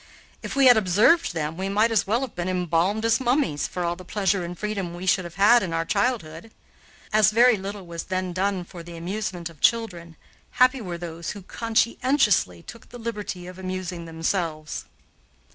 If we had observed them we might as well have been embalmed as mummies, for all the pleasure and freedom we should have had in our childhood. As very little was then done for the amusement of children, happy were those who conscientiously took the liberty of amusing themselves.